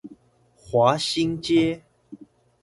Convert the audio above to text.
華新街